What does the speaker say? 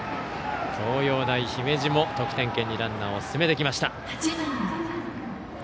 東洋大姫路も得点圏にランナーを進めてきました。